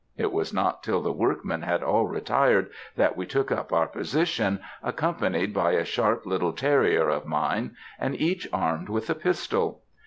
It was not till the workmen had all retired that we took up our position, accompanied by a sharp little terrier of mine, and each armed with a pistol.